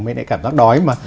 mấy cái cảm giác đói mà